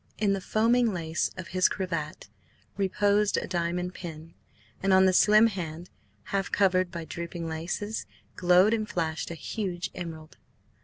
In the foaming lace of his cravat reposed a diamond pin, and on the slim hand, half covered by drooping laces, glowed and flashed a huge emerald.